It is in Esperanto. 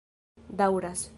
daŭras